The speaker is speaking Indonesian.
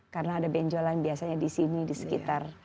karena ada benjolan biasanya di sini di sekitar